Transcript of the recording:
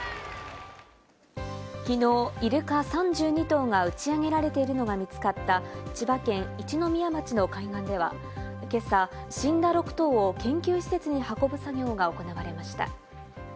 昨日、イルカ３２頭が打ちあげられているのが見つかった千葉県一宮町の海岸では、今朝、死んだ６頭を研究施設に運ぶ作業が行われました。